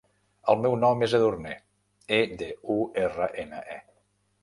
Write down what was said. El meu nom és Edurne: e, de, u, erra, ena, e.